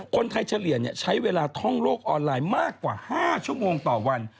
เฉลี่ยใช้เวลาท่องโลกออนไลน์มากกว่า๕ชั่วโมงต่อวัน